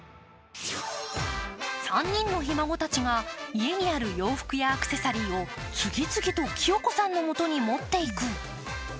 ３人のひ孫たちが家にある洋服やアクセサリーを次々ときよ子さんのもとに持っていく。